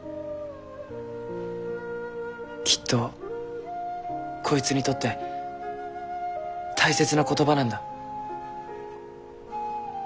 きっとこいつにとって大切な言葉なんだ。